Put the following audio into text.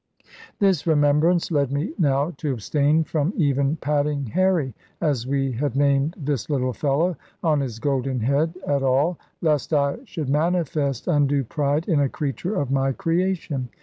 This remembrance led me now to abstain from even patting "Harry" (as we had named this little fellow) on his golden head at all, lest I should manifest undue pride in a creature of my creation.